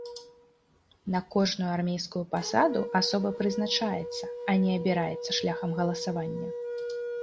На кожную армейскую пасаду асоба прызначаецца, а не абіраецца шляхам галасавання.